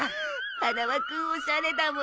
花輪君おしゃれだもの。